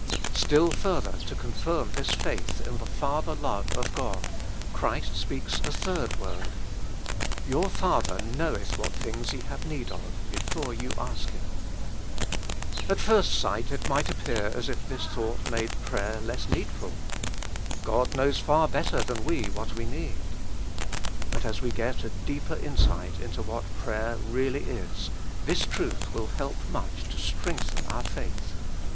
Still further to confirm this faith in the Father love of God, Christ speaks a third word :" Your Father knoweth what thmgs ye have need of bcfoj'e ye ask Him.'' At first sight it might appear as if this thought made prayer less needful ; God knows far better than we what we need. But as we get a deeper insight into what prayer really is, this truth will help much to 'strengthen our faith.